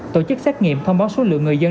tổ chức xét nghiệm thông báo số lượng người dân